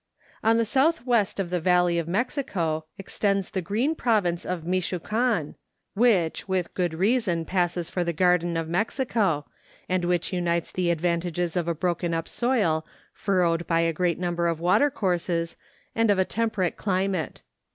On the south west of the valley of Mexico, ex¬ tends the green province of Michoucan, which with DISCOVERY OF AN ANCIENT VOLCANO. 271 good reason passes for the garden of Mexico, and which unites the advantages of a broken up soil, furrowed by a great number of water courses, and of a temperate climate.